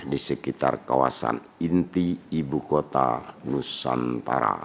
di sekitar kawasan inti ibu kota nusantara